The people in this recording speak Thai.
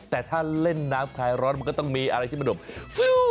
แต่ถ้าเล่นน้ำคลายร้อนมันก็ต้องมีอะไรที่มันแบบฟู